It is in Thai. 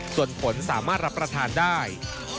ส่วนผลสามารถรับประทานได้